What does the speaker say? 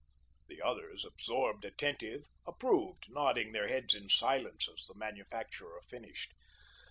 The others, absorbed, attentive, approved, nodding their heads in silence as the manufacturer finished.